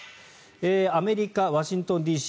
アメリカ・ワシントンＤＣ